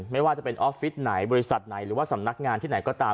ไม่ว่าจะเป็นออฟฟิศไหนบริษัทไหนหรือว่าสำนักงานที่ไหนก็ตาม